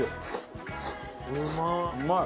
うまい！